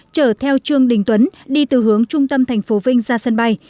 chở theo trương đình tuấn đi từ hướng trung tâm thành phố vinh ra sân bay